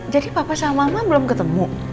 papa sama mama belum ketemu